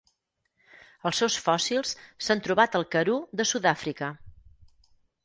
Els seus fòssils s'han trobat al Karoo de Sud-àfrica.